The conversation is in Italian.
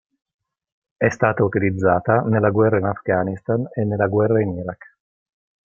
È stata utilizzata nella guerra in Afghanistan e nella guerra in Iraq.